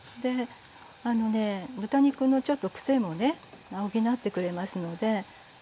あのね豚肉のちょっとくせもね補ってくれますので。